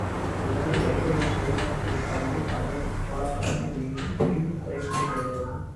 உடனே விரிசிகையின் திருமணச் செய்தி பரவவே பழைய கோலாகலமே எங்கும் மீண்டும் குறைவின்றி நிறைந்தது.